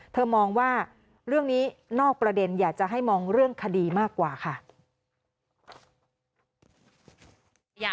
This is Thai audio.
มองว่าเรื่องนี้นอกประเด็นอยากจะให้มองเรื่องคดีมากกว่าค่ะ